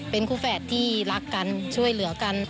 เป็นคู่แฝดที่รักกันช่วยเหลือกัน